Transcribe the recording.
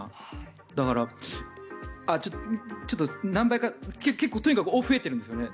だから、ちょっと何倍かとにかく増えてるんですよね。